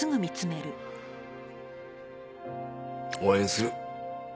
応援する。